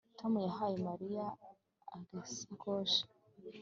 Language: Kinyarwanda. Tom yahaye Mariya agasakoshi